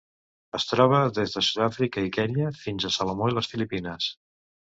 Es troba des de Sud-àfrica i Kenya fins a Salomó i les Filipines.